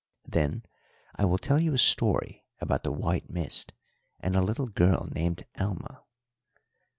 "Then I will tell you a story about the white mist and a little girl named Alma."